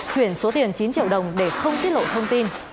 chuyển số tiền chín triệu đồng để không tiết lộ thông tin